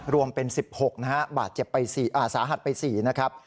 รวมเป็น๑๖นะฮะสาหัสไป๔นะครับ